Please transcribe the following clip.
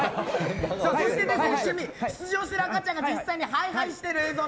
そして、出場している赤ちゃんが実際にハイハイしている映像を